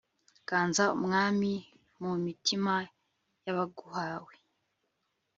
ganza mwami, mu mitima y'abaguhawe